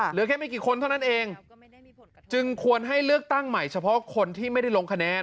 เหลือแค่ไม่กี่คนเท่านั้นเองจึงควรให้เลือกตั้งใหม่เฉพาะคนที่ไม่ได้ลงคะแนน